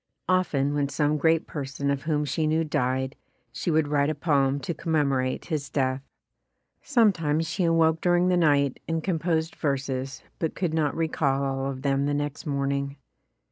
Often when some great person of whom she knew died, she would write a poem to com memorate his death. Sometimes she awoke dur ing the night and composed verses but could not recall all of them the next morning.